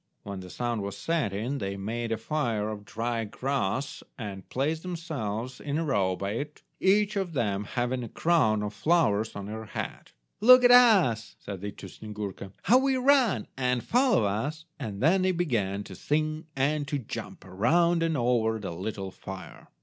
When the sun was setting they made a fire of dry grass and placed themselves in a row by it, each of them having a crown of flowers on her head. "Look at us," said they to Snyegurka, "how we run, and follow us," and then they began to sing and to jump, around and over the little fire.